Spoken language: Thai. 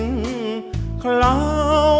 ขอบคุณครับ